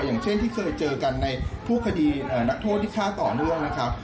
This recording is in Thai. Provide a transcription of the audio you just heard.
อย่างเช่นที่เคยเจอกันในผู้คดีนักโทษที่ฆ่าต่อเนื่องนะครับ